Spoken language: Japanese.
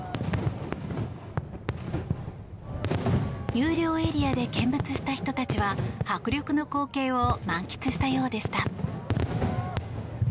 有料エリアで見物した人たちは迫力の光景を満喫したようでした。